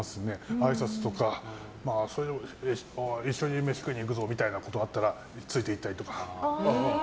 あいさつとか、一緒に飯行くぞみたいなことがあったらついて行ったりとか。